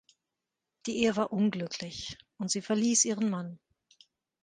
Die Ehe war unglücklich und sie verließ ihren Mann.